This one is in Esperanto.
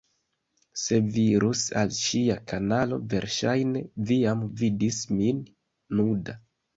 Se vi irus al ŝia kanalo verŝajne vi jam vidis min nuda